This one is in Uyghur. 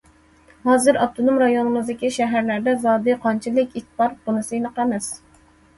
ھازىر، ئاپتونوم رايونىمىزدىكى شەھەرلەردە زادى قانچىلىك ئىت بار؟ بۇنىسى ئېنىق ئەمەس.